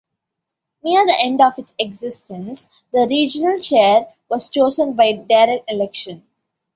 Near the end of its existence, the regional chair was chosen by direct election.